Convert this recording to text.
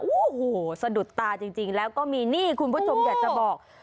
โอ้โหสะดุดตาจริงแล้วก็มีนี่คุณผู้ชมอยากจะบอก